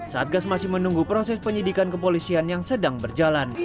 satgas masih menunggu proses penyidikan kepolisian yang sedang berjalan